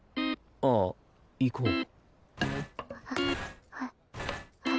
ああ行こう。